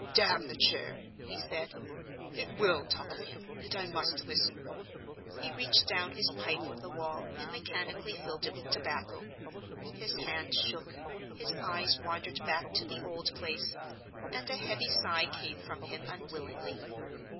"D—n the chair!" he said: "it will talk of him; and I must listen." He reached down his pipe from the wall and mechanically filled it with tobacco. His hand shook, his eyes wandered back to the old place; and a heavy sigh came from him unwillingly.